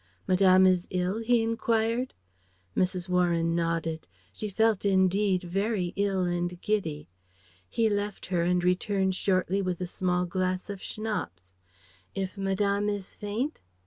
"Madame is ill?" he enquired. Mrs. Warren nodded she felt indeed very ill and giddy. He left her and returned shortly with a small glass of Schnapps. "If Madame is faint